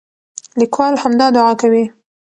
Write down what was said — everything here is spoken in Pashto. لیکوال همدا دعا کوي.